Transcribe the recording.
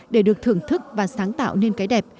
để được thưởng thức và sáng tạo nên cái đẹp